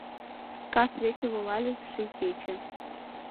Кас веке Волале ший кече.